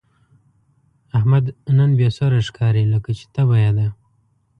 احمد نن بې سوره ښکاري، لکه چې تبه یې ده.